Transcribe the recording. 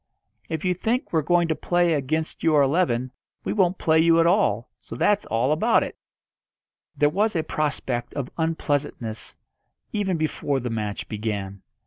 If you think we're going to play against your eleven we won't play you at all, so that's all about it." There was a prospect of unpleasantness even before the match began.